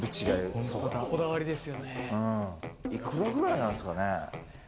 幾らぐらいなんですかね？